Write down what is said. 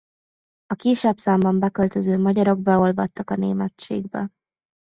A kisebb számban beköltöző magyarok beolvadtak a németségbe.